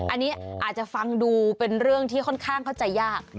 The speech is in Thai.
อันนี้อาจจะฟังดูเป็นเรื่องที่ค่อนข้างเข้าใจยาก